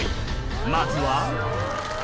まずは。